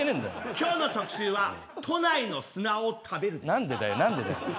今日の特集は都内の砂を食べるです。